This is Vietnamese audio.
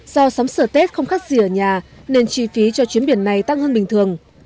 do sắm sửa tết không khác gì ở nhà nên chi phí cho chuyến biển này tăng hơn bình thường